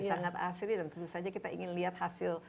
sangat asli dan tentu saja kita ingin lihat hasil